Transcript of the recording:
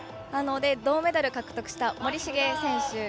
銅メダル獲得した森重選手。